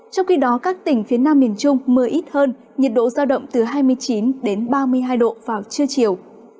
trong khi đó các tỉnh phía nam miền trung mưa ít hơn nhiệt độ giao động từ hai mươi chín đến ba mươi hai độ vào trưa chiều